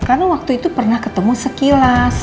karena waktu itu pernah ketemu sekilas